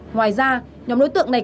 ngoài ra nhóm đối tượng này